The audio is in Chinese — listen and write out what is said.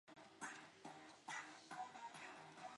南洋木荷为山茶科木荷属下的一个种。